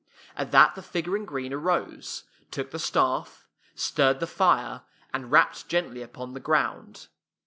At that the figure in green arose, took the staff, stirred the fire, and rapped gently upon the ground.